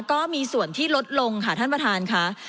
ก็มีส่วนที่ลดลงค่ะท่านประธานค่ะ